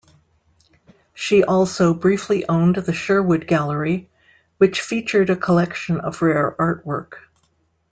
She also briefly owned The Sherwood Gallery, which featured a collection of rare artwork.